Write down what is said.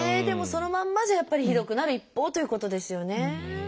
でもそのまんまじゃやっぱりひどくなる一方ということですよね。